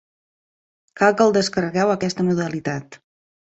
Cal que el descarregueu a aquesta modalitat.